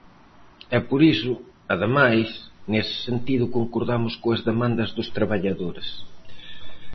E por iso, ademais, nese sentido concordamos coas demandas dos traballadores.